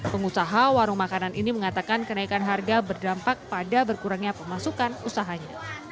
pengusaha warung makanan ini mengatakan kenaikan harga berdampak pada berkurangnya pemasukan usahanya